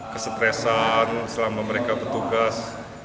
kestresan selama mereka petugas